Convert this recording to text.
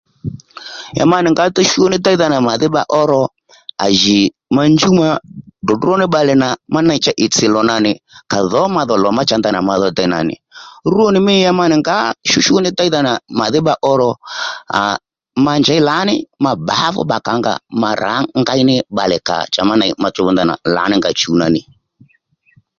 Ya ma nì dey ngǎ shú ní déydha nà màdhí bba ó ro à jì ma njúw ma dròdró ní bbalè nà má ney cha ì tsì lò nà nì ka dhǒ ma dhò lò má cha ney ndèy nà nì rwo nì mî ya ma nì ngǎ shú shú ní thíy nà déydha nà màdhí bba ó ro ma njěy lǎní ma bbǎ fú bbakǎ nga ma rǎ ngéy ní bbalè kàò má cha ney ma dho lǎní nga shùw dha nà nì